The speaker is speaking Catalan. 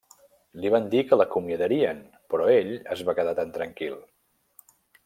Li van dir que l'acomiadarien, però ell es va quedar tan tranquil.